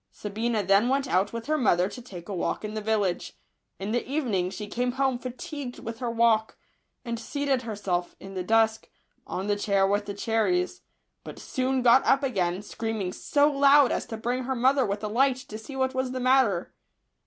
Sabina then went out with her mother to take a walk in the village. In the evening she came home fatigued with her walk, and seated her self, in the dusk, on the chair with the cherries, but soon got up again, screaming so loud as to bring her mother with a light to see what was the matter.